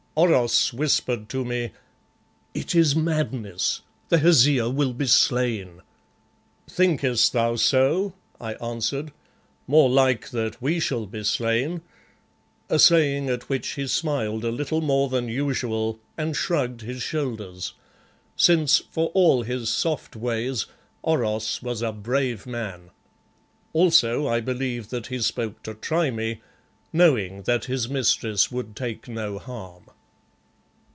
Oros whispered to me "It is madness, the Hesea will be slain." "Thinkest thou so?" I answered. "More like that we shall be slain," a saying at which he smiled a little more than usual and shrugged his shoulders, since for all his soft ways, Oros was a brave man. Also I believe that he spoke to try me, knowing that his mistress would take no harm.